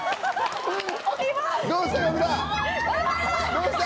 どうした？